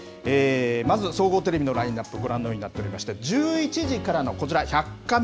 まず、総合テレビのラインナップ、ご覧のようになっておりまして、１１時からのこちら、１００カメ。